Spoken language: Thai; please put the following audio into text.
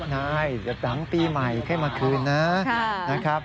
น่าสิหลังปีใหม่ให้มาคืนนะ